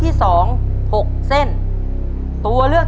ต้นไม้ประจำจังหวัดระยองการครับ